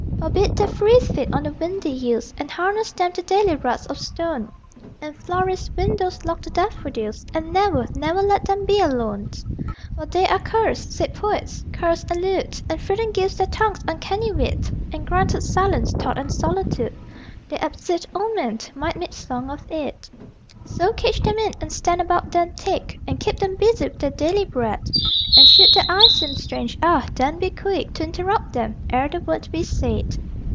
Forbid their free feet on the windy hills, And harness them to daily ruts of stone (In florists' windows lock the daffodils) And never, never let them be alone! For they are curst, said poets, curst and lewd, And freedom gives their tongues uncanny wit, And granted silence, thought and solitude They (absit omen!) might make Song of it. So cage them in, and stand about them thick, And keep them busy with their daily bread; And should their eyes seem strange, ah, then be quick To interrupt them ere the word be said....